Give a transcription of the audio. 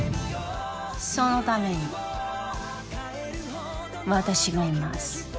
そのために私がいます